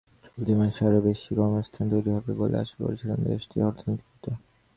চলতি মাসে আরও বেশি কর্মসংস্থান তৈরি হবে বলে আশা করছিলেন দেশটির অর্থনীতিবিদেরা।